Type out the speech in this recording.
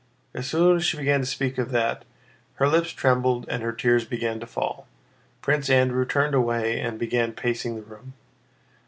As soon as she began to speak of that, her lips trembled and her tears began to fall. Prince Andrew turned away and began pacing the room.